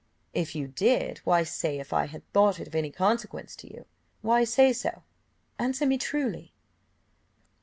"If you did, why say 'If I had thought it of any consequence to you?' why say so? answer me truly."